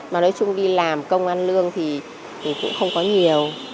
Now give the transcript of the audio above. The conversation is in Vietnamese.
mà nói chung đi làm công ăn lương thì cũng không có nhiều